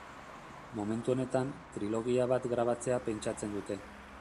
Momentu honetan, trilogia bat grabatzea pentsatzen dute.